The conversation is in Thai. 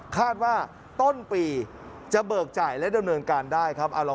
คาดว่าต้นปีจะเบิกจ่ายและดำเนินการได้ครับ